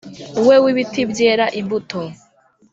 We w ibiti byera imbuto